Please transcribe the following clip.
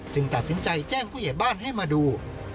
ตัดสินใจแจ้งผู้ใหญ่บ้านให้มาดู